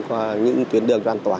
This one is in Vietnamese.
qua những tuyến đường an toàn